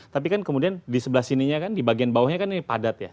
tapi kan kemudian di sebelah sininya kan di bagian bawahnya kan ini padat ya